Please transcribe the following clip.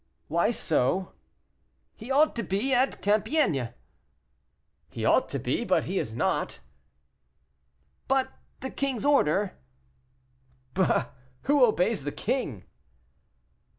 "Why so?" "He ought to be at Compiègne." "He ought to be, but he is not." "But the king's order?" "Bah! who obeys the king?"